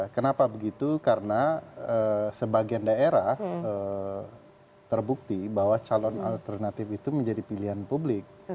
kenapa begitu karena sebagian daerah terbukti bahwa calon alternatif itu menjadi pilihan publik